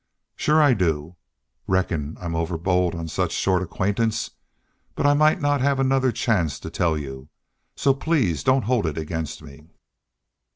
"Sure I do. Reckon I'm overbold on such short acquaintance. But I might not have another chance to tell you, so please don't hold it against me."